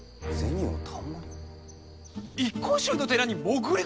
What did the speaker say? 一向宗の寺に潜り込む！？